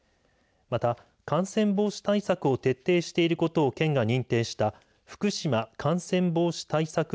また、感染防止対策を徹底していることを県が認定したふくしま感染防止対策